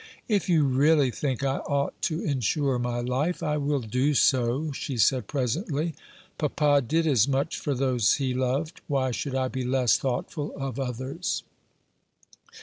"If you really think I ought to insure my life, I will do so," she said presently. "Papa did as much for those he loved; why should I be less thoughtful of others?"